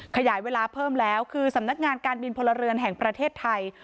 ขยายเวลาเพิ่มแล้วคือสำนักงานการบินพลเรือนแห่งประเทศไทย